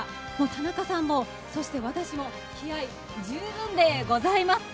田中さんも私も気合い十分でございます。